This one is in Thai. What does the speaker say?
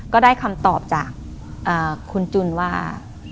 ก็ได้คำตอบจากคุณจุนว่า